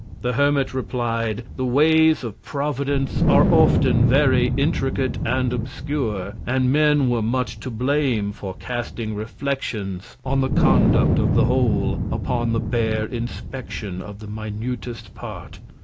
The Hermit replied, the Ways of Providence are often very intricate and obscure, and Men were much to blame for casting Reflections on the Conduct of the Whole, upon the bare Inspection of the minutest Part.